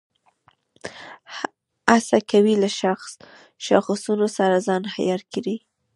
هڅه کوي له شاخصونو سره ځان عیار کړي.